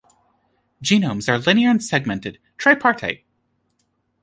Genomes are linear and segmented, tripartite.